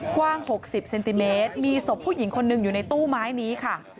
กว้าง๖๐เซนติเมตรมีศพผู้หญิงคนหนึ่งอยู่ในตู้ไม้นี้ค่ะ